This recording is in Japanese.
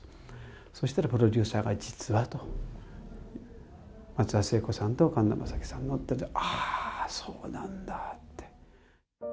そしたらプロデューサーが実はと、松田聖子さんと神田正輝さんのって、ああ、そうなんだって。